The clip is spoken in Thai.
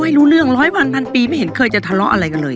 ไม่รู้เรื่องร้อยพันพันปีไม่เห็นเคยจะทะเลาะอะไรกันเลย